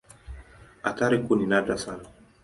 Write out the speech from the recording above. Athari kuu ni nadra sana.